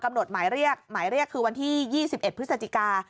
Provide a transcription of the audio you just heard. หดหมายเรียกหมายเรียกคือวันที่๒๑พฤศจิกา